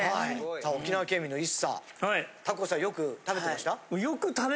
さあ沖縄県民のＩＳＳＡタコスはよく食べてました？